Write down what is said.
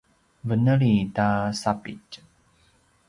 veneli ta sapitj